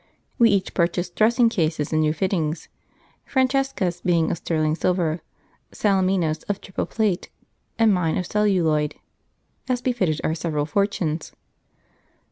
We each purchased dressing cases and new fittings, Francesca's being of sterling silver, Salemina's of triple plate, and mine of celluloid, as befitted our several fortunes.